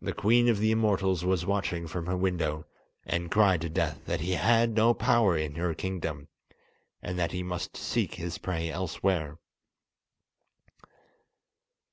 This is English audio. The Queen of the Immortals was watching from her window, and cried to Death that he had no power in her kingdom, and that he must seek his prey elsewhere.